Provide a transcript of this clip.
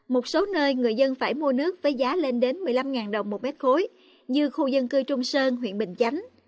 một số nơi người dân phải mua nước với giá lên đến một mươi năm đồng một mét khối như khu dân cư trung sơn huyện bình chánh